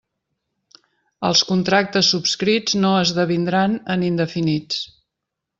Els contractes subscrits no esdevindran en indefinits.